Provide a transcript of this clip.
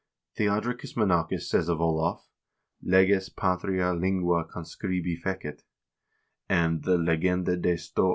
Theodricus Monachus says of Olav : "Leges patria lingua ccmscribifecit," and the "Legenda de Sto.